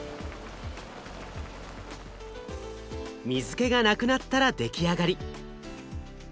水けがなくなったら出来上がり。